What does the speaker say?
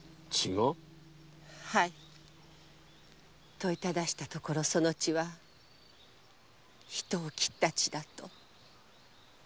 問い質したところその血は人を斬った血だと。